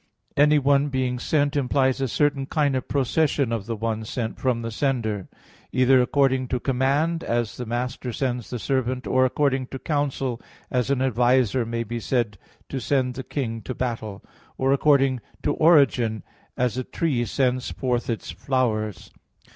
Anyone being sent implies a certain kind of procession of the one sent from the sender: either according to command, as the master sends the servant; or according to counsel, as an adviser may be said to send the king to battle; or according to origin, as a tree sends forth its flowers.